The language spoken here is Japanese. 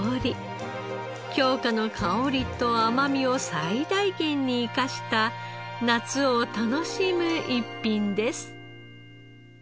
京香の香りと甘みを最大限に生かした夏を楽しむ逸品です。